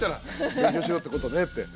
勉強しろってことねって。